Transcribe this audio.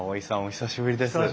久しぶりですね。